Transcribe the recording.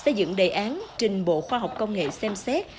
xây dựng đề án trình bộ khoa học công nghệ xem xét